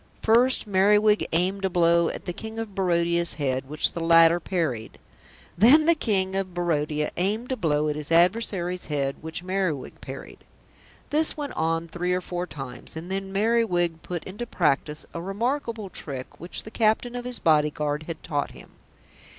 First Merriwig aimed a blow at the King of Barodia's head which the latter parried. Then the King of Barodia aimed a blow at his adversary's head which Merriwig parried. This went on three or four times, and then Merriwig put into practice a remarkable trick which the Captain of his Bodyguard had taught him.